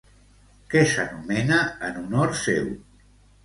Què s'anomena en honor seu?